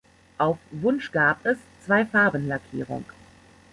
Auf Wunsch gab es Zweifarbenlackierung.